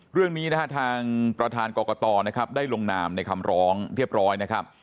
เรื่องนี้ทางประธานกรกฎได้ลงนามในคำร้องเรียบร้อยนะครับ